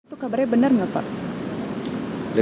itu kabarnya benar nggak pak